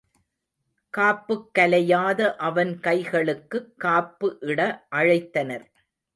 காப்புக்கலையாத அவன் கைகளுக்குக் காப்பு இட அழைத்தனர்.